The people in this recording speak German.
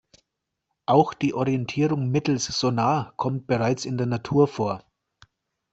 Auch die Orientierung mittels Sonar kommt bereits in der Natur vor.